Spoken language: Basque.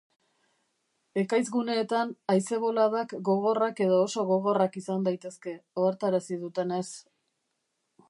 Ekaitz-guneetan haize-boladak gogorrak edo oso gogorrak izan daitezke, ohartarazi dutenez.